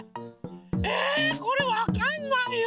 えこれわかんないよ！